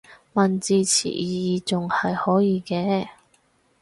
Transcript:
問字詞意義仲係可以嘅